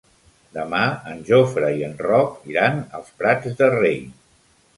Demà en Jofre i en Roc iran als Prats de Rei.